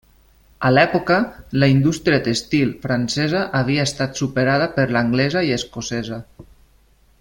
A l'època, la indústria tèxtil francesa havia estat superada per l'anglesa i escocesa.